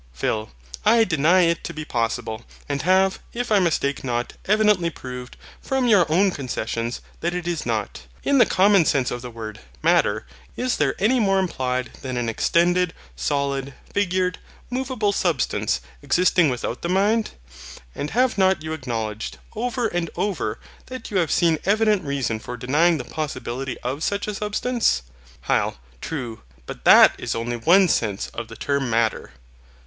PHIL. I deny it to be possible; and have, if I mistake not, evidently proved, from your own concessions, that it is not. In the common sense of the word MATTER, is there any more implied than an extended, solid, figured, moveable substance, existing without the mind? And have not you acknowledged, over and over, that you have seen evident reason for denying the possibility of such a substance? HYL. True, but that is only one sense of the term MATTER.